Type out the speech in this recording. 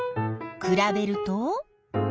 くらべると？